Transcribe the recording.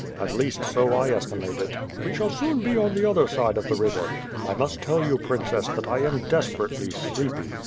At least so I esti mate it. We shall soon be on the other side of the river. I must toll you. Princess, that I am desperately sleepy.